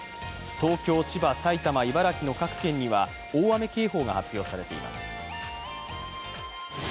東京、千葉、埼玉、茨城の各県には大雨警報が発表されています。